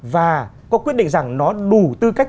và có quyết định rằng nó đủ tư cách